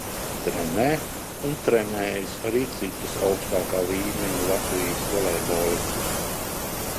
Trenē un trenējis arī citus augstākā līmeņa Latvijas volejbolistus.